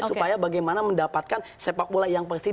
supaya bagaimana mendapatkan sepak bola yang bersih